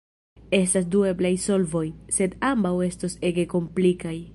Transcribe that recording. Estas du eblaj solvoj, sed ambaŭ estos ege komplikaj.